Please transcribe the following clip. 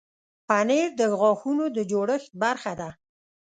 پنېر د غاښونو د جوړښت برخه ده.